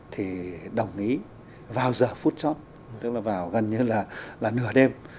thì đồng ý vào giờ phút chót tức là vào gần như là nửa đêm